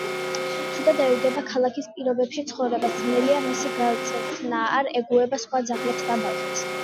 ცუდად ეგუება ქალაქის პირობებში ცხოვრებას, ძნელია მისი გაწვრთნა, არ ეგუება სხვა ძაღლებს და ბავშვებს.